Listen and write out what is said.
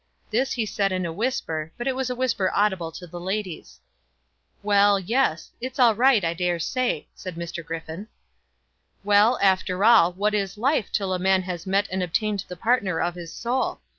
This he said in a whisper, but it was a whisper audible to the ladies. "Well; yes; it's all right, I daresay," said Sir Griffin. "Well, after all, what is life till a man has met and obtained the partner of his soul?